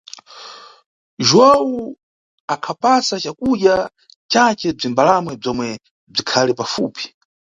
Juwawu akhapasa cakudya cace bzimbalame bzomwe bzikhali pafupi.